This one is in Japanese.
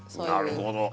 なるほど。